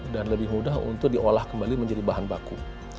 dan lebih mudah untuk diolah kembali menjadi bahan baku